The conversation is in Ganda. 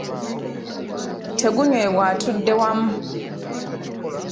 Tegunywebwa atudde wamu.